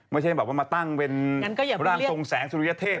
ไม่ใช่แบบว่ามาตั้งเป็นร่างทรงแสงสุริยเทพ